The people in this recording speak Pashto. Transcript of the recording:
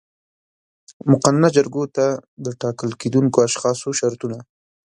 مقننه جرګو ته د ټاکل کېدونکو اشخاصو شرطونه